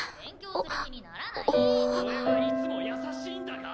俺はいつも優しいんだが！？